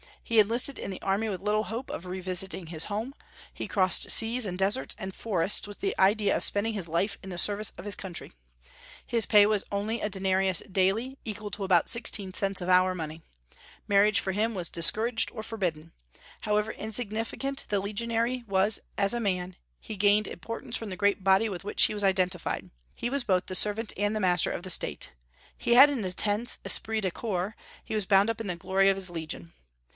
He enlisted in the army with little hope of revisiting his home; he crossed seas and deserts and forests with the idea of spending his life in the service of his country. His pay was only a denarius daily, equal to about sixteen cents of our money. Marriage for him was discouraged or forbidden. However insignificant the legionary was as a man, he gained importance from the great body with which he was identified: he was both the servant and the master of the State. He had an intense esprit de corps; he was bound up in the glory of his legion.